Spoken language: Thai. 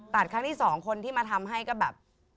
ครั้งที่สองคนที่มาทำให้ก็แบบ